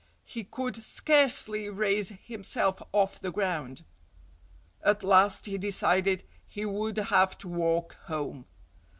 He could scarcely raise himself off the ground. At last he decided he would have to walk home.